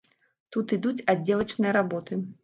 Тут ідуць аддзелачныя работы.